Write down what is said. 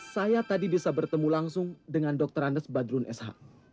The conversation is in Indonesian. saya tadi bisa bertemu langsung dengan dr andes badrun sh